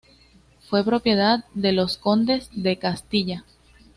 Fue propiedad de los condes de Castilla.